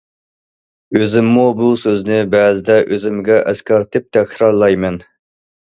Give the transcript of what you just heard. ئۆزۈممۇ بۇ سۆزنى بەزىدە ئۆزۈمگە ئەسكەرتىپ تەكرارلايمەن.